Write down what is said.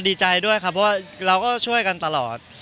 ดีใจด้วยครับเพราะว่าเราก็ช่วยกันตลอด